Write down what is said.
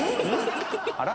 あら？